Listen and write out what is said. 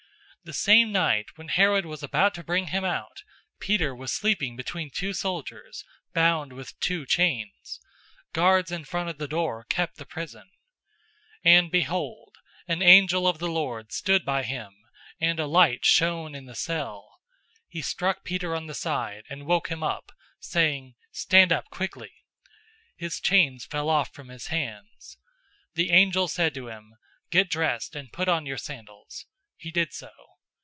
012:006 The same night when Herod was about to bring him out, Peter was sleeping between two soldiers, bound with two chains. Guards in front of the door kept the prison. 012:007 And behold, an angel of the Lord stood by him, and a light shone in the cell. He struck Peter on the side, and woke him up, saying, "Stand up quickly!" His chains fell off from his hands. 012:008 The angel said to him, "Get dressed and put on your sandals." He did so.